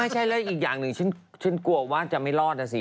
แล้วแล้วเอกอย่างหนึ่งฉันกลัวว่าจะไม่รอดน่ะสิ